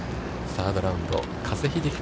サードラウンド、加瀬秀樹